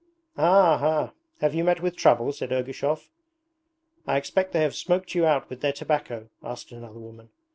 'Ah, ha! Have you met with trouble?' said Ergushov. 'I expect they have smoked you out with their tobacco?' asked another woman.